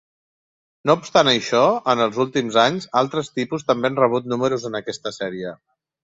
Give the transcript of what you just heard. No obstant això, en els últims anys, altres tipus també han rebut números en aquesta sèrie.